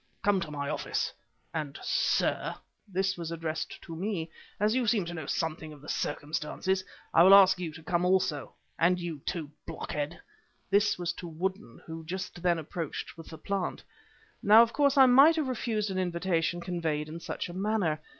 Come to my office. And, sir" (this was to me) "as you seem to know something of the circumstances, I will ask you to come also; and you too, Blockhead" (this was to Woodden, who just then approached with the plant). Now, of course, I might have refused an invitation conveyed in such a manner.